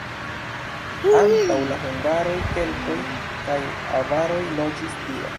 Antaŭ la hungaroj keltoj kaj avaroj loĝis tie.